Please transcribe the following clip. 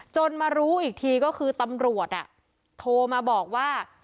มารู้อีกทีก็คือตำรวจโทรมาบอกว่า